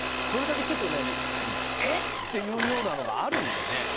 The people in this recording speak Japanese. それだけちょっと、えっ？っていうようなのがあるんでね。